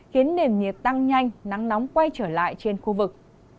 khiến nền nhiệt tăng nhanh nắng nóng quay trở lại trên khu vực